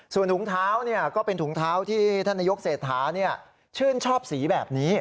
ส่วนถุงเท้าก็เป็นถุงเท้าที่ท่านนายกเศรษฐาชื่นชอบสีแบบนี้